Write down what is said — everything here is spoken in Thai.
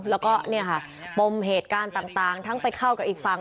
แล้วก็เนี่ยค่ะปมเหตุการณ์ต่างทั้งไปเข้ากับอีกฝั่ง